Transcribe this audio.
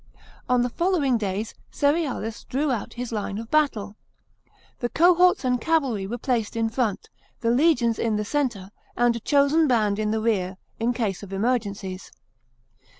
On the fol lowing days, Cerealis drew out his line of battle. The cohorts and cavalry were placed in front ; the legions in the centre, and a chosen band in the rear, in case of emergencies.